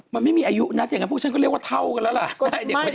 มันไม่มีอายุนะอย่างนั้นพวกฉันก็เรียกว่าเท่ากันแล้วล่ะ